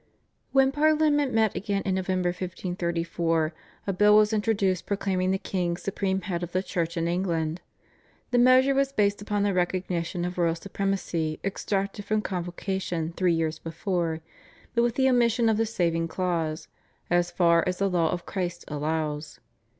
When Parliament met again in November 1534 a bill was introduced proclaiming the king supreme head of the Church in England. The measure was based upon the recognition of royal supremacy extracted from Convocation three years before, but with the omission of the saving clause "as far as the law of Christ allows."